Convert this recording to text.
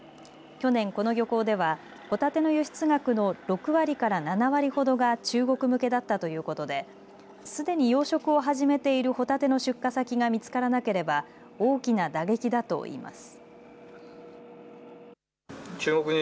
去年、この漁港ではほたての輸出額の６割から７割ほどが中国向けだったということですでに養殖を始めているほたての出荷先が見つからなければ大きな打撃だといいます。